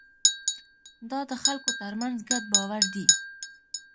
دا د خلکو ترمنځ ګډ باور دی.